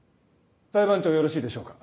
裁判長よろしいでしょうか。